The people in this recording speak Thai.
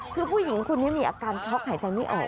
คือผู้หญิงคนนี้มีอาการช็อกหายใจไม่ออก